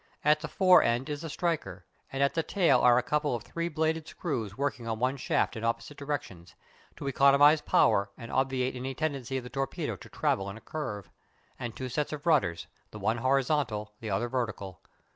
At the fore end is the striker, and at the tail are a couple of three bladed screws working on one shaft in opposite directions, to economise power and obviate any tendency of the torpedo to travel in a curve; and two sets of rudders, the one horizontal, the other vertical.